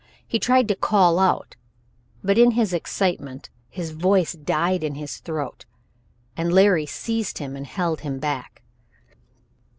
He tried to call out, but in his excitement his voice died in his throat, and Larry seized him and held him back.